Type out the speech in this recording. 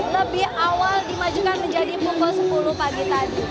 lebih awal dimajukan menjadi pukul sepuluh pagi tadi